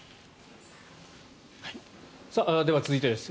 では、続いてです。